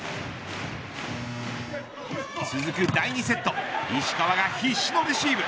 続く第２セット石川が必死のレシーブ。